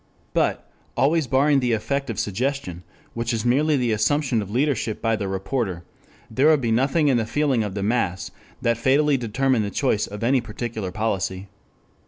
But, always barring the effect of suggestion which is merely the assumption of leadership by the reporter, there would be nothing in the feeling of the mass that fatally determined the choice of any particular policy.